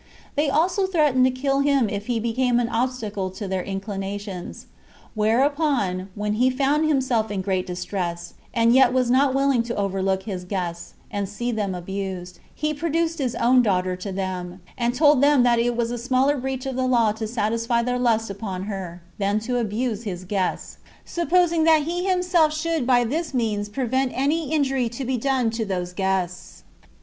They also threatened to kill him if he became an obstacle to their inclinations; whereupon, when he found himself in great distress, and yet was not willing to overlook his guests, and see them abused, he produced his own daughter to them; and told them that it was a smaller breach of the law to satisfy their lust upon her, than to abuse his guests, supposing that he himself should by this means prevent any injury to be done to those guests.